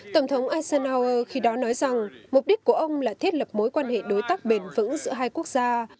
tổng thống asen hower khi đó nói rằng mục đích của ông là thiết lập mối quan hệ đối tác bền vững giữa hai quốc gia